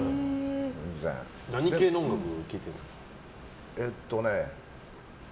何系の音楽聴いてるんですか？